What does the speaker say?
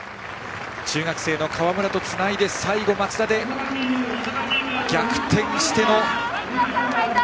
中学生の河村とつないで最後、松田で逆転して。